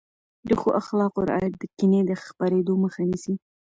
د ښو اخلاقو رعایت د کینې د خپرېدو مخه نیسي.